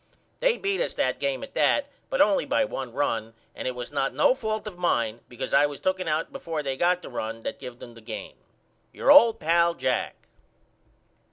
They beat us that game at that but only by one run and it was not no fault of mine because I was tooken out before they got the run that give them the game. Your old pal, JACK.